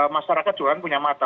masyarakat juga punya mata